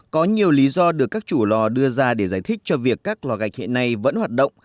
có nhiều lý do được các chủ lò đưa ra để giải thích cho việc các lò gạch hiện nay vẫn hoạt động